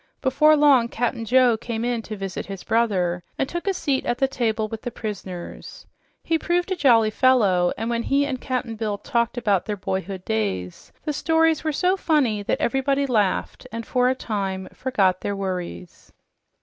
Before long, Cap'n Joe came in to visit his brother and took a seat at the table with the prisoners. He proved a jolly fellow, and when he and Cap'n Bill talked about their boyhood days, the stories were so funny that everybody laughed and for a time forgot their worries.